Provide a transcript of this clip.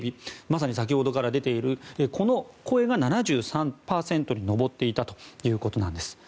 まさに、先ほどから出ているこの声が７３％に上っていたということです。